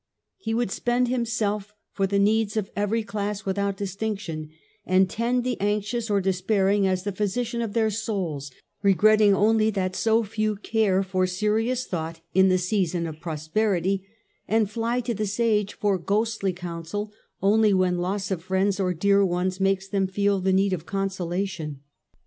He would spend himself for the needs of every class without distinction, and tend the anxious or despairing as the physician of their souls, regretting only that so few care for serious thought in the season of pro sperity, and fly to the sage for ghostly counsel only when loss of friends or dear ones makes them feel the need of consolation.